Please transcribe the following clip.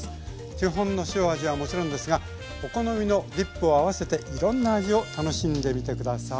基本の塩味はもちろんですがお好みのディップを合わせていろんな味を楽しんでみて下さい。